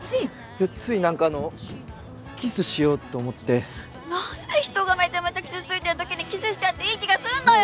いやつい何かあのキスしようと思って何で人がめちゃめちゃ傷ついてるときにキスしちゃっていい気がするのよ